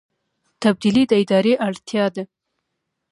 تبدیلي د ادارې اړتیا ده